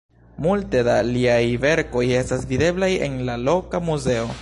Multe da liaj verkoj estas videblaj en la loka muzeo.